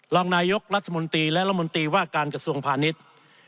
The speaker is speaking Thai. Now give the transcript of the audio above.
รองนายกรัฐมนตรีและรัฐมนตรีว่าการกระทรวงพาณิชย์